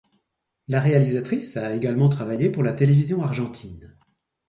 La réalisatrice a également travaillé pour la télévision argentine.